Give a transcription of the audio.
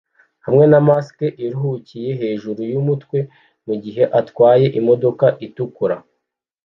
hamwe na mask iruhukiye hejuru yumutwe mugihe atwaye imodoka itukura